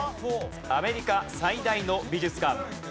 アメリカ最大の美術館。